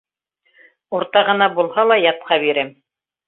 Уртағына булһа ла, ятҡа бирәм.